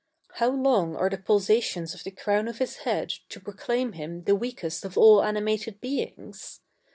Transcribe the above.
How long are the pulsations of the crown of his head to proclaim him the weakest of all animated beings?